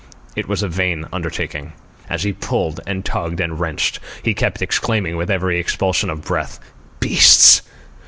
It was a vain undertaking. As he pulled and tugged and wrenched, he kept exclaiming with every expulsion of breath, "Beasts!"